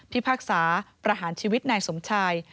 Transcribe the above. พากษาประหารชีวิตนายสมชาย